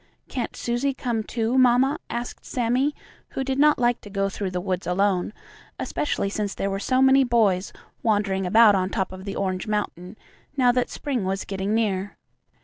"Can't Susie come, too, mamma?" asked Sammie, who did not like to go through the woods alone, especially since there were so many boys wandering about on top of the Orange Mountain, now that spring was getting near.